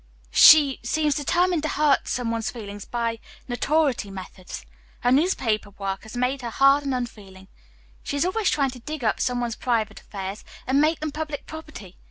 "She seems determined to hurt some one's feelings by 'notoriety' methods. Her newspaper work has made her hard and unfeeling. She is always trying to dig up some one's private affairs and make them public property.